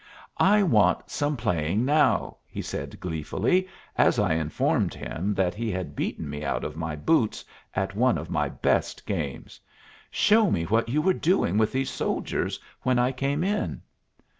"I want some playing now," he said gleefully, as I informed him that he had beaten me out of my boots at one of my best games. "Show me what you were doing with those soldiers when I came in."